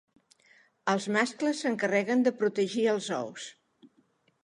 Els mascles s'encarreguen de protegir els ous.